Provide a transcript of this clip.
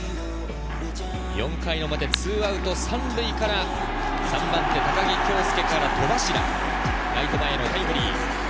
４回表、２アウト３塁から３番手、高木京介から戸柱、ライト前タイムリー。